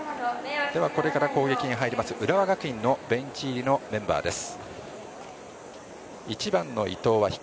では、これから攻撃に入ります浦和学院のベンチ入りのメンバーです。